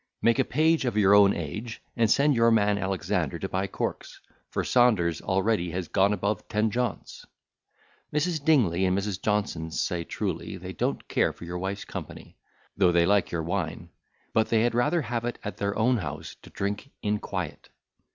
Make a page of your own age, and send your man Alexander to buy corks; for Saunders already has gone above ten jaunts. Mrs. Dingley and Mrs. Johnson say, truly they don't care for your wife's company, though they like your wine; but they had rather have it at their own house to drink in quiet.